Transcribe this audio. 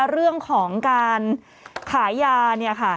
เรื่องของการขายยาเนี่ยค่ะ